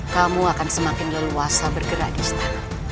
kamu akan semakin leluasa bergerak di istana